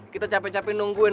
kita capek capek nungguin